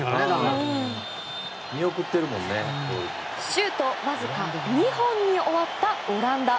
シュートわずか２本に終わったオランダ。